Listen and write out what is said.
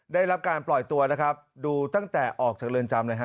ได้รับการปล่อยตัวนะครับดูตั้งแต่ออกจากเรือนจำเลยฮ